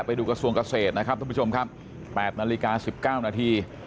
ไปดูกระทรวงเกษตรนะครับท่านผู้ชมครับแปดนาฬิกาสิบเก้านาที